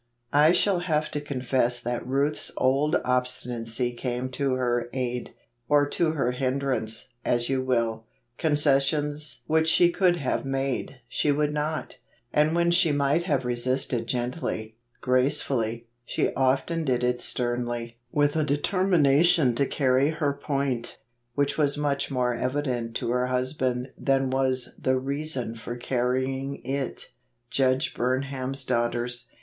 75 7. I shall have to confess that Ruth's old obstinacy came to her aid ;— or to her hinderance, as you will; concessions which she could have made, she would not; and when she might have resisted gently, grace¬ fully, she often did it sternly, with a deter¬ mination to carry her point, which was much more evident to her husbaud than was the reason for carrying it. Judge Burnham's Daughters.